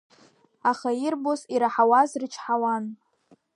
Аха ирбоз ираҳауаз рчҳауан.